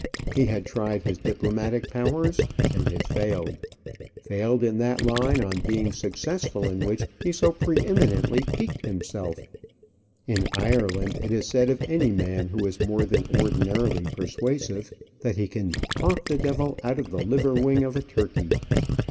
He had tried his diplomatic powers and had failed failed in that line on being successful in which he so pre eminently piqued himself. In Ireland it is said of any man who is more than ordinarily persuasive, that he can "talk the devil out of the liver wing of a turkey!"